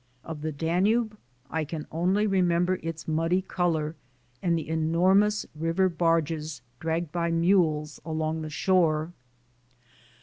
Of the Danube I can only remember its muddy color and the enormous river barges dragged by mules along the shore.